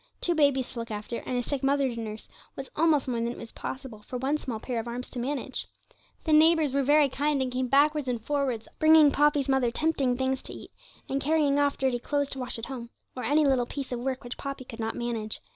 Two babies to look after, and a sick mother to nurse, was almost more than it was possible for one small pair of arms to manage. The neighbours were very kind, and came backwards and forwards, bringing Poppy's mother tempting things to eat, and carrying off dirty clothes to wash at home, or any little piece of work which Poppy could not manage.